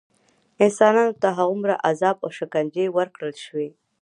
انسانانو ته هغومره عذاب او شکنجې ورکړل شوې.